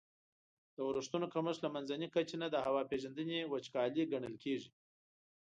د اورښتونو کمښت له منځني کچي نه د هوا پیژندني وچکالي ګڼل کیږي.